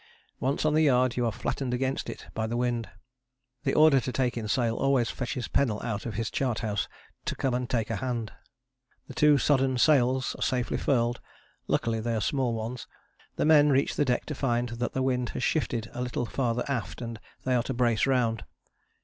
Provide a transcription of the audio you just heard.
Once on the yard you are flattened against it by the wind. The order to take in sail always fetches Pennell out of his chart house to come and take a hand. The two sodden sails safely furled luckily they are small ones the men reach the deck to find that the wind has shifted a little farther aft and they are to brace round.